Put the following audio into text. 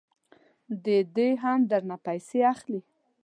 ددې هم درنه پیسې اخلي.